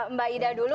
mbak ida dulu